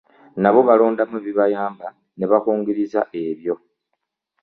Nabo balondamu ebibayamba ne bakungiriza ebyo.